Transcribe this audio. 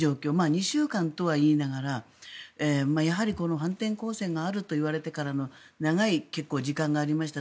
２週間とはいいながら、やはり反転攻勢があるといわれてからの長い時間がありました。